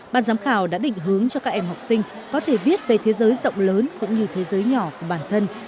bàn giám khảo đã định hướng cho các em học sinh có thể viết về thế giới rộng lớn cũng như thế giới nhỏ của bản thân